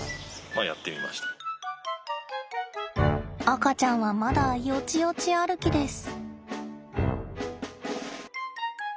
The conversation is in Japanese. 赤ちゃんはまだよちよち歩きです。